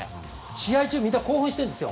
試合中みんな興奮してるんですよ。